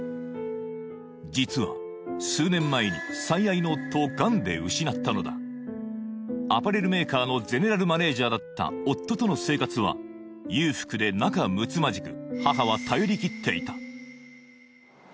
実は数年前に最愛の夫をがんで失ったのだアパレルメーカーのゼネラルマネージャーだった夫との生活は裕福で仲むつまじく